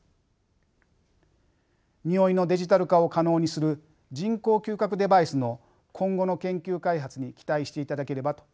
においのデジタル化を可能にする人工嗅覚デバイスの今後の研究開発に期待していただければと思います。